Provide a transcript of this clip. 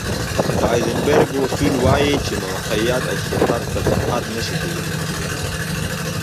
د هایزنبرګ اصول وایي چې موقعیت او سرعت په دقت نه شي پېژندل کېدلی.